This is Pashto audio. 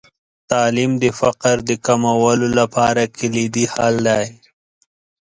تعلیم د فقر د کمولو لپاره کلیدي حل دی.